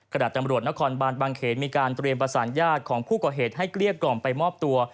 ตำรวจนครบานบางเขนมีการเตรียมประสานญาติของผู้ก่อเหตุให้เกลี้ยกล่อมไปมอบตัว